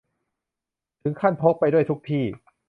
ถึงขั้นพกไปด้วยทุกที่